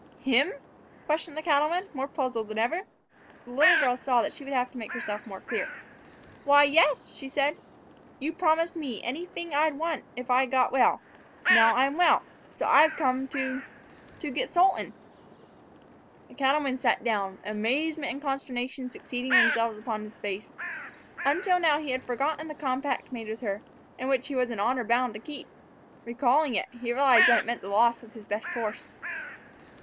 "Him?" questioned the cattleman, more puzzled than ever. The little girl saw that she would have to make herself more clear. "Why, yes," she said. "You promised me anyfing I wanted if I'd get well; now I'm well, so I've come to to get Sultan." The cattleman sat down, amazement and consternation succeeding each other on his face. Until now he had forgotten the compact made with her, and which he was in honor bound to keep. Recalling it, he realized that it meant the loss of his best horse.